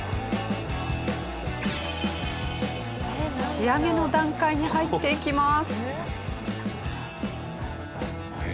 仕上げの段階に入っていきます。